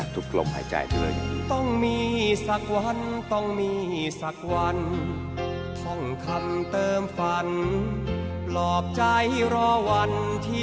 ทุกกลมหายใจทุกอย่างดี